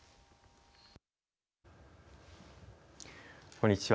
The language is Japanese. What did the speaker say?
こんにちは。